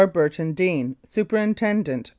BURTON DEANE, "Superintendent, N.